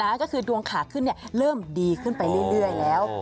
ก็คือดวงขาขึ้นเริ่มดีขึ้นไปเรื่อยแล้ว